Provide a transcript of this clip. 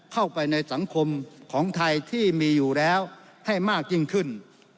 เข้าไปในสังคมของไทยที่มีอยู่แล้วให้มากยิ่งขึ้น